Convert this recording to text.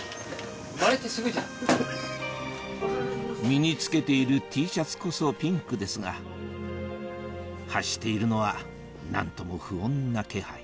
身に着けているＴシャツこそピンクですが発しているのは何とも不穏な気配